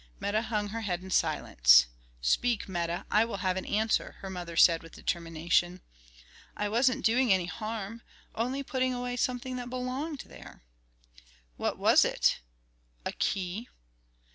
Meta hung her head in silence. "Speak, Meta; I will have an answer," her mother said, with determination. "I wasn't doing any harm; only putting away something that belonged there." "What was it?" "A key."